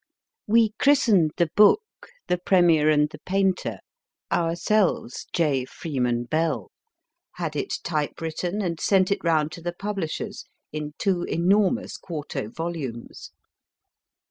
We christened the book The Premier and the Painter, ourselves J. Freeman Bell, had it type written, and sent it round to the publishers in two enormous quarto volumes.